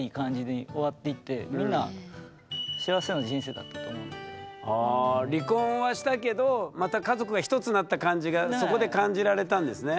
でだからなんか離婚はしたけどまた家族が一つになった感じがそこで感じられたんですね。